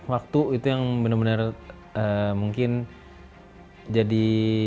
waktu itu yang bener bener mungkin jadi